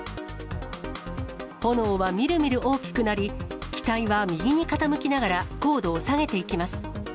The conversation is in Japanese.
炎はみるみる大きくなり、機体は右に傾きながら高度を下げていきます。